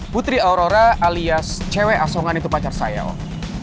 putri aurora alias cewek asongan itu pacar saya om